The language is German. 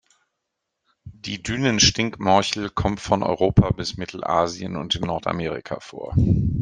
Die Dünen-Stinkmorchel kommt von Europa bis Mittelasien und in Nordamerika vor.